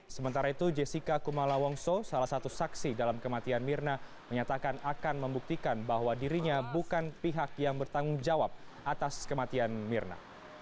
sementara itu jessica kumala wongso salah satu saksi dalam kematian mirna menyatakan akan membuktikan bahwa dirinya bukan pihak yang bertanggung jawab atas kematian mirna